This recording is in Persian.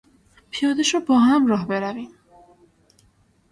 پیاده شو باهم راه برویم!